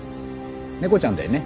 猫ちゃんだよね？